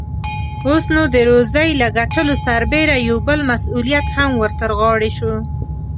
اوس، نو د روزۍ له ګټلو سربېره يو بل مسئوليت هم ور ترغاړې شو.